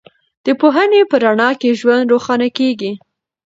د پوهنې په رڼا کې ژوند روښانه کېږي.